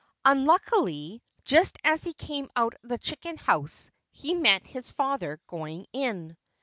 Unluckily, just as he came out of the chicken house he met his father going in.